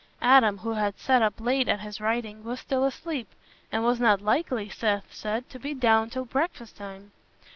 Adam, who had sat up late at his writing, was still asleep, and was not likely, Seth said, to be down till breakfast time.